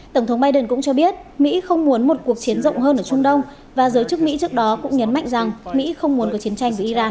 tổng thống biden cũng cho biết mỹ không muốn một cuộc chiến rộng hơn ở trung đông và giới chức mỹ trước đó cũng nhấn mạnh rằng mỹ không muốn có chiến tranh với iran